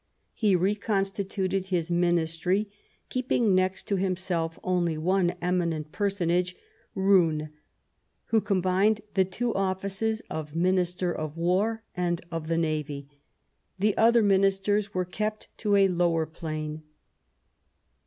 He reconstituted his Ministr}^ keeping next to himself only one eminent personage, Roon, who combined the two offices of Minister of War and of the Navy ; the other Ministers were kept to a lower plane.